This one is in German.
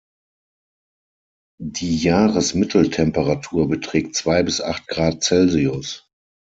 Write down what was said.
Die Jahresmitteltemperatur beträgt zwei bis acht Grad Celsius.